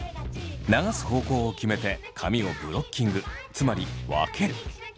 流す方向を決めて髪をブロッキングつまり分ける。